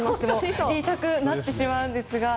って言いたくなってしまうんですが。